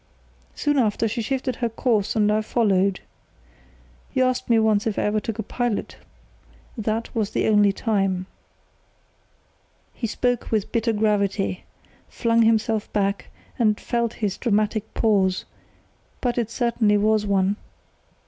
Soon after, she shifted her course and I followed. You asked me once if I ever took a pilot. That was the only time." He spoke with bitter gravity, flung himself back, and felt his pocket for his pipe. It was not meant for a dramatic pause, but it certainly was one.